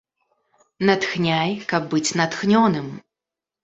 Натхняй, каб быць натхнёным!